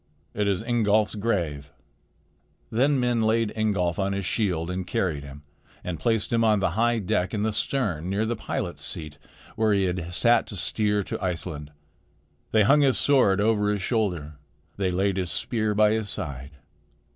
It is Ingolf's grave." Then men laid Ingolf upon his shield and carried him and placed him on the high deck in the stern near the pilot's seat where he had sat to steer to Iceland. They hung his sword over his shoulder. They laid his spear by his side.